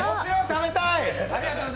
食べたい！